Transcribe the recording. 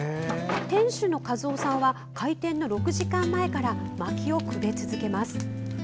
店主の和雄さんは、開店の６時間前から薪をくべ続けます。